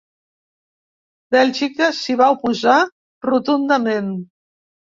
Bèlgica s’hi va oposar rotundament.